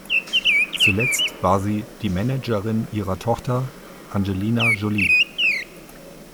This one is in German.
Zuletzt war sie die Managerin ihrer Tochter Angelina Jolie.